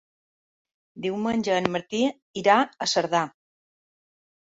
Diumenge en Martí irà a Cerdà.